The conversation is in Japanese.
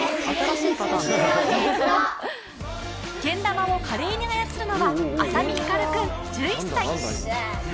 けん玉を華麗に操るのは浅見光琉君１１歳。